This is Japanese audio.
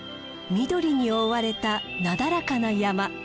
緑に覆われたなだらかな山。